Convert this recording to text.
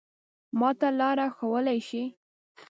ما ته لاره ښوولای شې؟